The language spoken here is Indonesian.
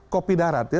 kopi darat ya